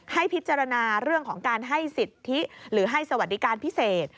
ให้พิจารณาเรื่องของการให้สิทธิหรือให้สวัสดิการพิเศษ